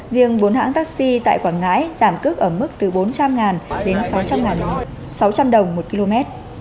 riêng bốn hãng taxi tại quảng ngãi giảm cước ở mức từ bốn trăm linh đến sáu trăm linh đồng một km